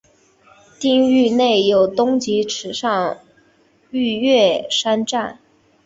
町域内有东急池上线御岳山站。